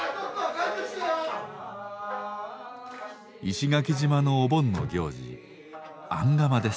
石垣島のお盆の行事